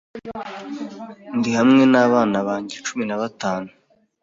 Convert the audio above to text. ndi hamwe n’abana banjye cumi nabatanu